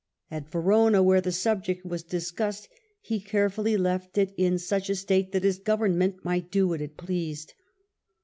At Verona^ where the subject was discussed, he carefully left it in such a state that his Government might do what it pleased.